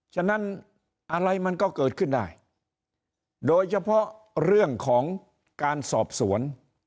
ฉะนั้นอะไรมันก็เกิดขึ้นได้โดยเฉพาะเรื่องของการสอบสวน